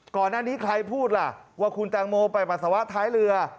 ก่อนหน้านี้ใครพูดล่ะว่าคุณแตงโมไปปัสสาวะท้ายเรือ